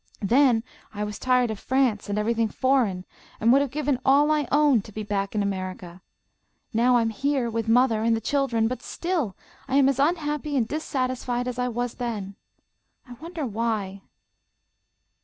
Then I was tired of France and everything foreign, and would have given all I owned to be back in America. Now I am here with mother and the children, but still I am as unhappy and dissatisfied as I was then. I wonder why!"